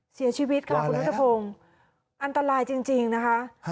เสียชีวิตค่ะคุณนัทพงศ์อันตรายจริงนะคะ